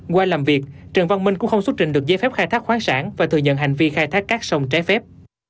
qua làm việc trần văn minh cũng không xuất trình được giấy phép khai thác khoáng sản và thừa nhận hành vi khai thác cát sông trái phép